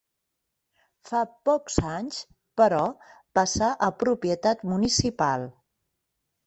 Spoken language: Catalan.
Fa pocs anys, però, passà a propietat municipal.